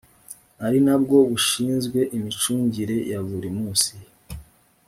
ari nabwo bushinzwe imicungire ya buri munsi